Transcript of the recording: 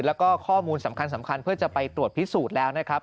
แล้วก็ข้อมูลสำคัญเพื่อจะไปตรวจพิสูจน์แล้วนะครับ